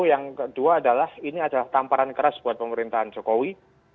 yang kedua adalah ini adalah tamparan keras buat pemerintahan jokowi